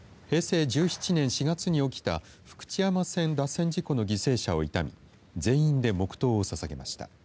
平成１７年４月に起きた福知山線脱線事故の犠牲者を悼み全員で黙とうをささげました。